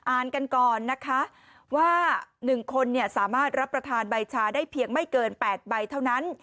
อ่านกันก่อนนะคะว่า๑คนสามารถรับประทานใบชาได้เพียงไม่เกิน๘ใบเท่านั้น